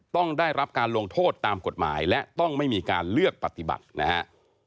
ต้องได้รับการลงโทษตามกฎหมายและต้องไม่มีการเลือกปฏิบัตินะฮะ